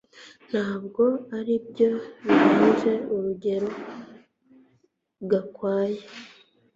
Ntabwo aribyo birenze urugero Gakwaya